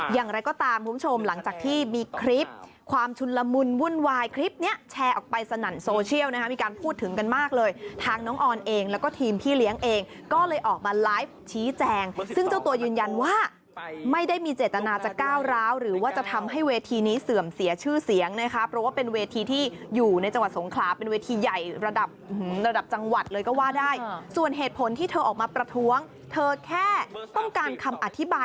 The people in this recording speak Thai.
อย่างไรก็ตามคุณผู้ชมหลังจากที่มีคลิปความชุนละมุนวุ่นวายคลิปเนี่ยแชร์ออกไปสนันโซเชียลมีการพูดถึงกันมากเลยทางน้องออนเองแล้วก็ทีมพี่เลี้ยงเองก็เลยออกมาไลฟ์ชี้แจงซึ่งเจ้าตัวยืนยันว่าไม่ได้มีเจตนาจะก้าวร้าวหรือว่าจะทำให้เวทีนี้เสื่อมเสียชื่อเสียงนะครับเพราะว่าเป็นเวทีที่อยู่ใ